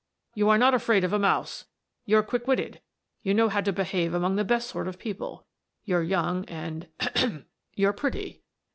You are not afraid of a mouse; you're quick witted; you know how to behave among the best sort of people; you're young, and — ahem !— you're pretty."